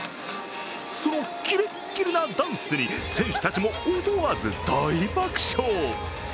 そのキレッキレなダンスに選手たちも思わず大爆笑。